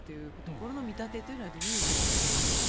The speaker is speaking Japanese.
これの見立てというのはどういうことになりますか？